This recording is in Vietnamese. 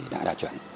đã đạt trần